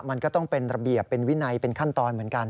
มันก็ต้องเป็นระเบียบเป็นวินัยเป็นขั้นตอนเหมือนกัน